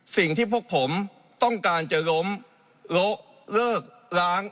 สิ่งที่พวกผมต้องการจะล้มละเลิกล้าง